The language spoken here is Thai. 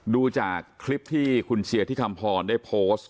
ดูจากคลิปที่คุณเชียร์ที่คำพรได้โพสต์